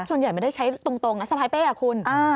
ส่วนใหญ่ไม่ได้ใช้ตรงนักสบายเป๊ะคุณ